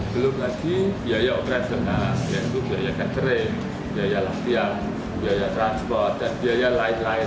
belum lagi biaya operasional yaitu biaya catering biaya latihan biaya transport dan biaya lain lain